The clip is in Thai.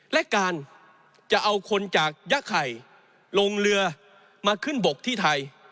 และการจะเอาคนจากยะไข่ลงเรือมาขึ้นบกที่ไทย